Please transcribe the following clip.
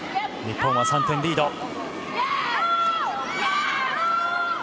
日本は３点リード。